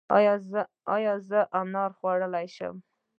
ایا زه انار خوړلی شم؟